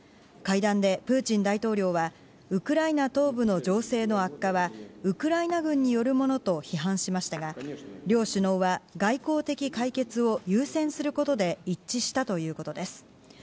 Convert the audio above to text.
会談でプーチン大統領はウクライナ東部の情勢の悪化はウクライナ軍によるものと批判しましたが両首脳は外交的解決を優先することで一致したということです。